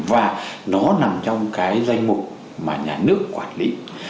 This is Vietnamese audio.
và nó nằm trong cái danh mục mà nhà nước quản lý